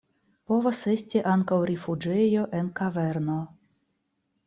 Povas esti ankaŭ rifuĝejo en kaverno.